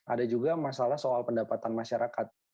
ada juga masalah soal pendapatan masyarakat